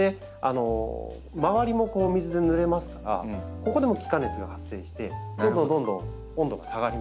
周りも水でぬれますからここでも気化熱が発生してどんどんどんどん温度が下がります。